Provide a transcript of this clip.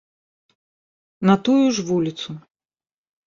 На тую ж вуліцу.